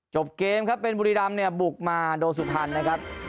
จบเกมครับเป็นบุรีรำเนี่ยบุกมาโดยสุพรรณนะครับ